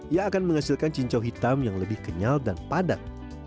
ia akan menghasilkan cincau hitam yang lebih kenyal dan padat